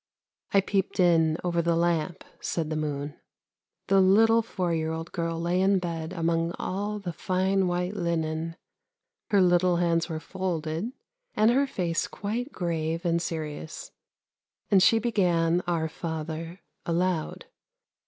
I peeped in over the lamp," said the moon. " The little four year old girl lay in bed among all the fine white linen, her little hands were folded, and her face quite grave and serious, and she began, ' Our Father,' aloud.